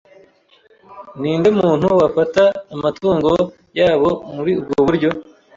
Ninde muntu wafata amatungo yabo muri ubwo buryo?